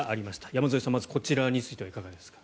山添さん、まずこちらについてはいかがですか？